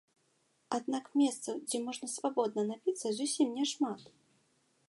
Аднак месцаў, дзе можна свабодна напіцца, зусім няшмат.